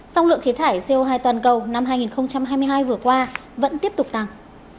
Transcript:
song lượng khí thải co hai toàn cầu năm hai nghìn hai mươi hai vừa qua vẫn tiếp tục tăng